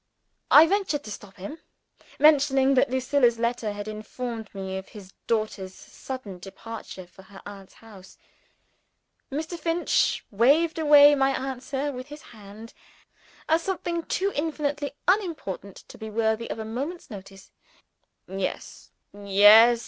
I ventured to stop him: mentioning that Lucilla's letter had informed me of his daughter's sudden departure for her aunt's house. Mr. Finch waved away my answer with his hand, as something too infinitely unimportant to be worthy of a moment's notice. "Yes! yes!